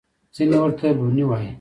ځینې ورته لوني وايي.